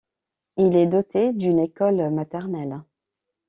Il est doté d'une école maternelle.